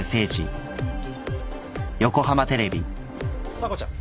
査子ちゃん。